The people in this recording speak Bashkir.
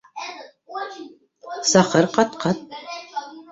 Саҡыр ҡат-ҡат!